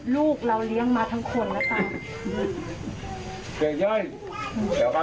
ลูกเราเลี้ยงมาทั้งคนนะคะ